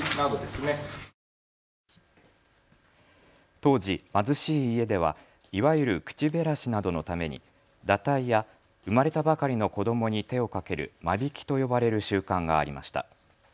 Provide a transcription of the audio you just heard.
当時貧しい家ではいわゆる口減らしなどのために堕胎や産まれたばかりの子どもに手をかける間引きと呼ばれる習慣がありました。